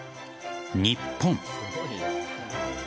日本」